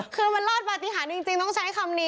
คือมันรอดปฏิหารจริงต้องใช้คำนี้